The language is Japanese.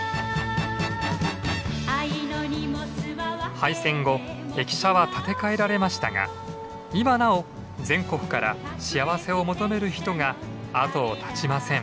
廃線後駅舎は建て替えられましたが今なお全国から幸せを求める人が後を絶ちません。